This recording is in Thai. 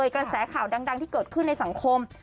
กระแสข่าวดังที่เกิดขึ้นในสังคม